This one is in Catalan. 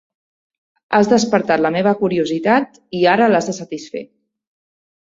Has despertat la meva curiositat i ara l'has de satisfer.